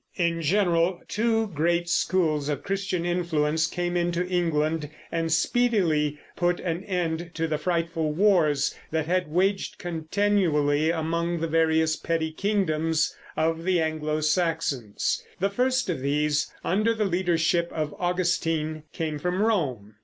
In general, two great schools of Christian influence came into England, and speedily put an end to the frightful wars that had waged continually among the various petty kingdoms of the Anglo Saxons. The first of these, under the leadership of Augustine, came from Rome.